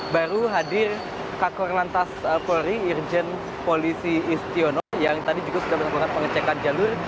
baru hadir kakor lantas polri irjen polisi istiono yang tadi juga sudah melakukan pengecekan jalur